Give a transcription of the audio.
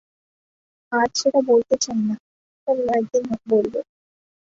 আজ সেটা বলতে চাই না, অন্য একদিন বলব।